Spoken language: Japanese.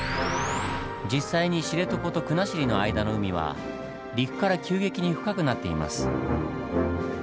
実際に知床と国後の間の海は陸から急激に深くなっています。